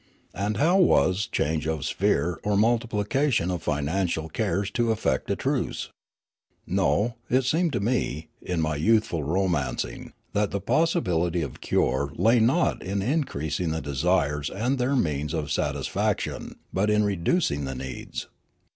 And how was change of sphere or multiplication of financial cares to effect a truce ? No ; it seemed to me, in my youthful romancing, that the possibility of cure lay not in increasing the desires and their means of satis faction, but in reducing the needs.